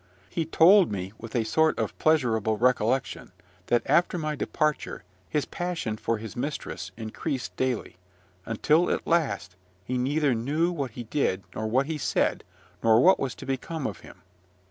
He told me with a sort of pleasurable recollection, that, after my departure, his passion for his mistress increased daily, until at last he neither knew what he did nor what he said, nor what was to become of him.